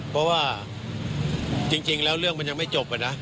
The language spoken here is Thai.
เพราะว่าจริงแล้วเรื่องมันยังไม่จบนะ